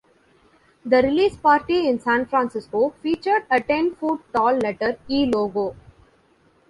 The release party in San Francisco featured a ten-foot-tall letter "e" logo.